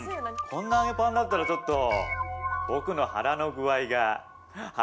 こんな揚げパンだったらちょっと僕のハラの具合が。